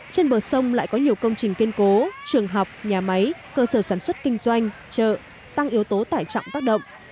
trên bờ sông lại có nhiều công trình kiên cố trường học nhà máy cơ sở sản xuất kinh doanh chợ tăng yếu tố tải trọng tác động